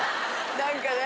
何かね。